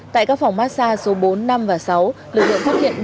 tại các phòng massage số bốn năm và sáu lực lượng phát hiện